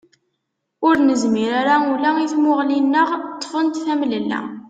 Ur nezmir ara ula i tmuɣli-nneɣ, ṭṭfent temlella.